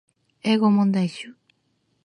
英語問題集